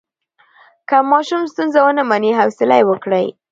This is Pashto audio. که ماشوم ستونزه ونه مني، حوصله یې وکړئ.